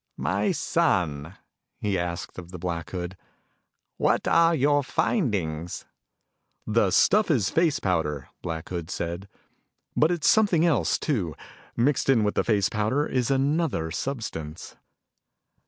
"My son," he asked of the Black Hood, "what are your findings?" "The stuff is face powder," Black Hood said. "But it's something else, too. Mixed in with the face powder is another substance."